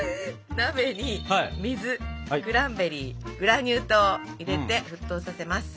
鍋に水クランべリーグラニュー糖を入れて沸騰させます。